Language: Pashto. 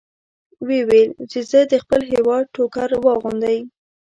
ویې ویل چې د خپل هېواد ټوکر واغوندئ.